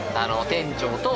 店長と。